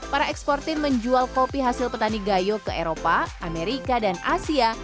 para eksportir menjual kopi hasil petani gayo ke eropa amerika dan asia